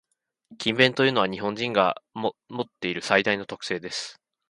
「勤勉」というのは、日本人が持っている最大の特性です。